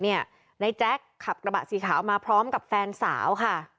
นายแจ๊คขับกระบะสีขาวมาพร้อมกับแฟนสาวค่ะ